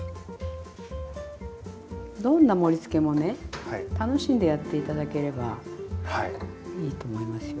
どんな盛りつけもね楽しんでやって頂ければいいと思いますよ。